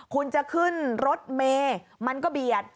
คุณจะขึ้นรถเมย์มันก็เบียด